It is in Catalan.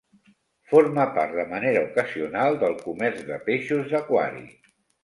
Forma part, de manera ocasional, del comerç de peixos d'aquari.